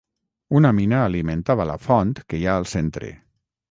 Una mina alimentava la font que hi ha al centre.